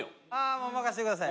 もう任せてください。